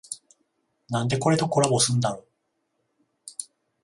なんでこれとコラボすんだろ